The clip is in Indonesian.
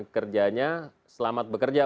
kerjanya selamat bekerja